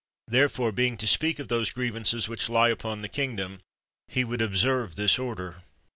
Therefore, being to speak of those grievances which lie upon the kingdom, he would observe this order.